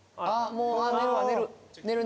もうあっ寝るわ寝る